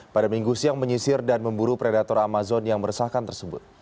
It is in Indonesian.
pada minggu siang menyisir dan memburu predator amazon yang meresahkan tersebut